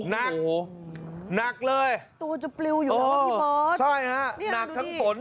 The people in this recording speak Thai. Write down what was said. นักนักเลยตัวจะปลิวอยู่นะพี่บอสใช่ฮะนักทั้งฝน